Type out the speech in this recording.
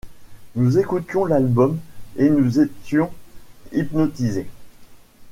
Nous écoutions l'album et nous étions hypnotisés.